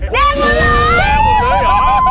แดงหมดเลยหรอ